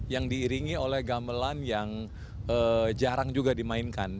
yang diiringi oleh gamelan yang jarang juga dimainkan